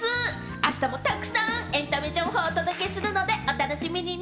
あしたもたくさんエンタメ情報をお届けするので、お楽しみに。